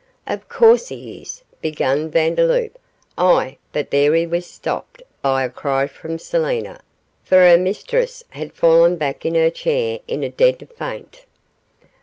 'Of course he is,' began Vandeloup; 'I ' but here he was stopped by a cry from Selina, for her mistress had fallen back in her chair in a dead faint.